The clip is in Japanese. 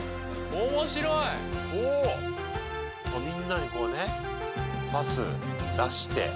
みんなにこうねパス出して。